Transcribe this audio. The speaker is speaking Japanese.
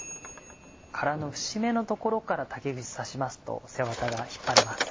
殻の節目の所から竹串刺しますと背ワタが引っ張れます。